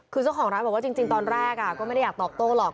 คือเจ้าของร้านบอกว่าจริงตอนแรกก็ไม่ได้อยากตอบโต้หรอก